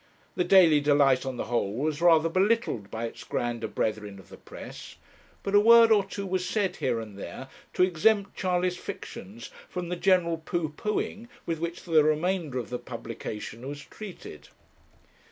The Daily Delight, on the whole, was rather belittled by its grander brethren of the press; but a word or two was said here and there to exempt Charley's fictions from the general pooh poohing with which the remainder of the publication was treated.